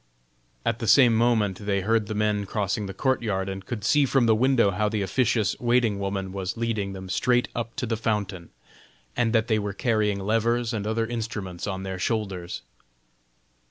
At the same moment they heard the men crossing the courtyard, and could see from the window how the officious waiting woman was leading them straight up to the fountain, and that they were carrying levers and other instruments on their shoulders.